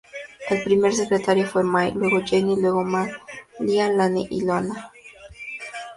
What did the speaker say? El primer secretario fue May, luego Jenny y luego Malia, Lani y Luana.